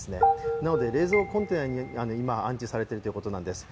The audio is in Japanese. なので冷蔵コンテナに今、安置されているということなんです。